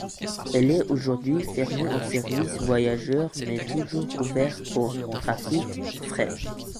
Elle est aujourd'hui fermée au service voyageurs mais toujours ouverte au trafic fret.